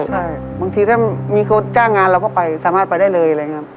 ใช่บางทีถ้ามีเขาจ้างงานเราเขาไปสามารถไปได้เลย